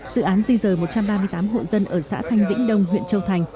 dự án di rời một trăm ba mươi tám hộ dân ở xã thanh vĩnh đông huyện châu thành